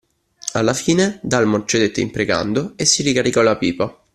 Alla fine, Dalmor cedette imprecando, e si ricaricò la pipa.